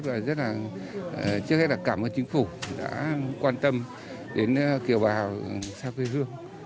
trước hết là cảm ơn chính phủ đã quan tâm đến kiểu bà sao quê hương